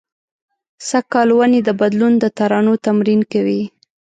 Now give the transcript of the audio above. سږ کال ونې د بدلون د ترانو تمرین کوي